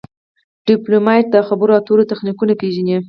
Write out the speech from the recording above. ډيپلومات د خبرو اترو تخنیکونه پېژني.